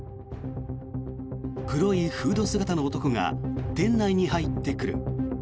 黒いフード姿の男が店内に入ってくる。